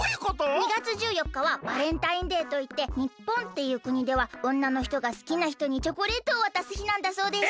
２がつ１４かはバレンタインデーといってにっぽんっていうくにではおんなのひとがすきなひとにチョコレートをわたすひなんだそうです。